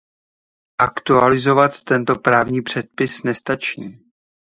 Aktualizovat tento právní předpis nestačí.